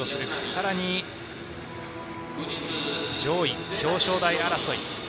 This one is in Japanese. さらに、上位表彰台争い。